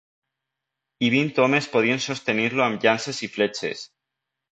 I vint homes podien sostenir-lo amb llances i fletxes.